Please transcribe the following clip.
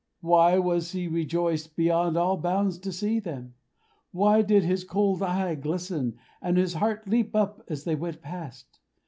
Why was he rejoiced beyond all bounds to see them? Why did his cold eye glisten, and his heart leap up as they went past?